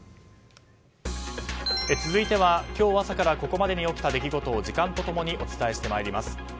続いては今日朝からここまでに起きた出来事を時間と共にお伝えしてまいります。